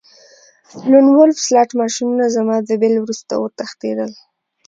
لون وولف سلاټ ماشینونه زما د بل وروسته وتښتیدل